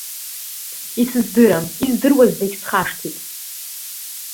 Исыздырам, издыруаз зегьы схашҭит!